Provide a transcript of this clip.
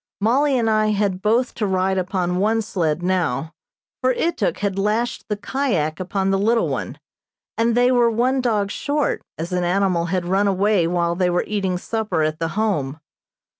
Mollie and I had both to ride upon one sled now, for Ituk had lashed the kyak upon the little one, and they were one dog short, as an animal had run away while they were eating supper at the Home.